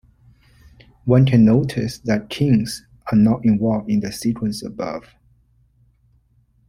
One can notice that kings are not involved in the sequence above.